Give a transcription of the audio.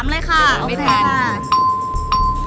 ลง๓นะคะ